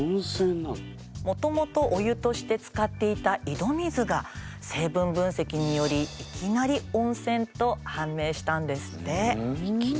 もともとお湯として使っていた井戸水が成分分析によりいきなり温泉と判明したんですって。